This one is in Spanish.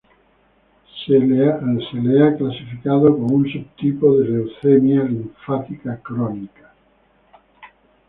Se la ha clasificado como un subtipo de leucemia linfática crónica.